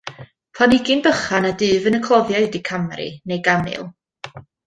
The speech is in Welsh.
Planhigyn bychan a dyf yn y cloddiau ydy camri, neu gamil.